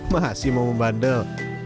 masih mau membandel